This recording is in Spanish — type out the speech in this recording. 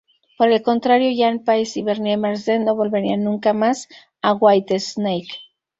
Por el contrario, Ian Paice y Bernie Marsden no volverían nunca más a Whitesnake.